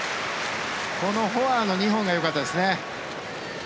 このフォアの２本がよかったですね。